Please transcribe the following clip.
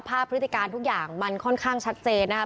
พฤติการทุกอย่างมันค่อนข้างชัดเจนนะครับ